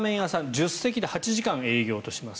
１０席で８時間営業とします。